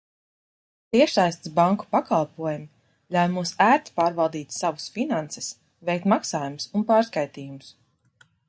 Tiešsaistes banku pakalpojumi ļauj mums ērti pārvaldīt savus finanses, veikt maksājumus un pārskaitījumus.